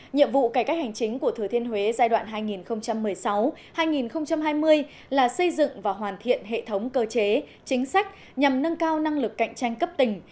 nhiệm vụ cải cách hành chính của thừa thiên huế giai đoạn hai nghìn một mươi sáu hai nghìn hai mươi là xây dựng và hoàn thiện hệ thống cơ chế chính sách nhằm nâng cao năng lực cạnh tranh cấp tỉnh